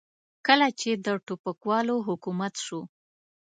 کله چې د ټوپکوالو حکومت شو.